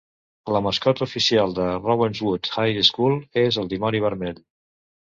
La mascota oficial de Ravenswood High School es el Dimoni Vermell.